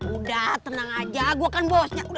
udah tenang aja gue kan bosnya